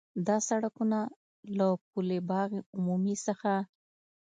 دا سړکونه له پُل باغ عمومي څخه